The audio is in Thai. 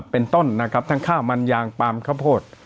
เป็นต้นนะครับทั้งข้าวมันยางปลามข้าวโพด